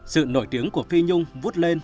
sự nổi tiếng của phi nhung vút lên